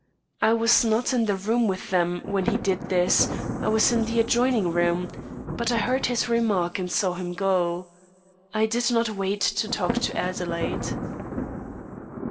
I was not in the room with them when he did this. I was in the adjoining one, but I heard his remark and saw him go. I did not wait to talk to Adelaide."